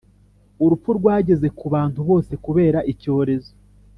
Urupfu rwageze ku bantu bose kubera icyorezo